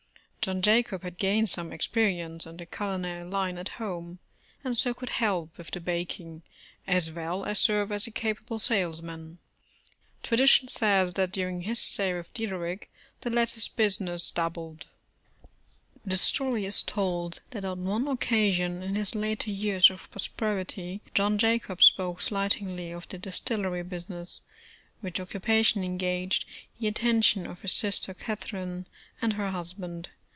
John Jacob had gained some experience in the culinary line at home, and so could help with the bak ing, as well as serve as a capable salesman. Tradition 51 The Original John Jacob Astor says that during his stay with Diederich the ]atter's business doubled. The story is told that on one occasion in his later years of prosperity, John Jacob spoke slightingly of the distillery business, which occupation engaged the attention of his sister Catherine, and her husband.